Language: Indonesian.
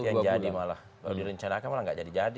yang jadi malah kalau direncanakan malah nggak jadi jadi